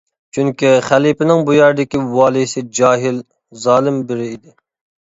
چۈنكى خەلىپىنىڭ بۇ يەردىكى ۋالىسى جاھىل، زالىم بىرى ئىدى.